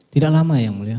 tidak lama ya mulia